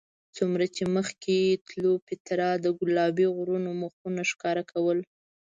څومره چې مخکې تلو پیترا د ګلابي غرونو مخونه ښکاره کول.